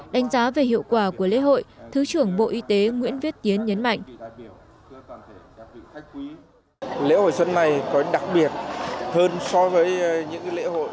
đánh giá về hiệu quả của lễ hội xuân hồng